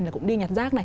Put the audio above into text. là cũng đi nhặt rác này